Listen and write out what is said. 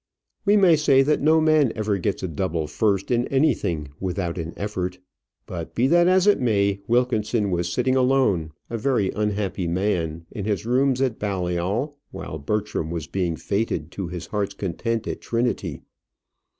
We may say that no man ever gets a double first in anything without an effort. But be that as it may, Wilkinson was sitting alone, a very unhappy man, in his rooms at Balliol, while Bertram was being fêted to his heart's content at Trinity.